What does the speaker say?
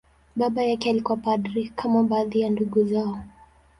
Baba yake alikuwa padri, kama baadhi ya ndugu zao.